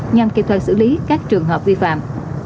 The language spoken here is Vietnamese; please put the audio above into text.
nhằm kiểm soát xử lý các trường hợp vi phạm